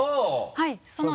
はい。